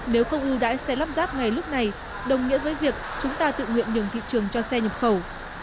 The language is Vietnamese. nếu không ưu đãi xe lắp ráp ngay lúc này đồng nghĩa với việc chúng ta tự nguyện nhường thị trường cho xe nhập khẩu